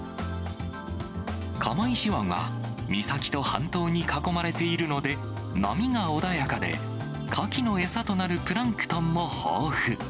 釜石湾は、岬と半島に囲まれているので、波が穏やかで、カキの餌となるプランクトンも豊富。